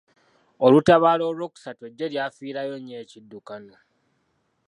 Olutabaalo olw'okusatu eggye lyafiirayo nnyo ekiddukano.